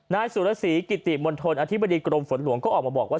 นายสุรสีกิติมณฑลอธิบดีกรมฝนหลวงก็ออกมาบอกว่า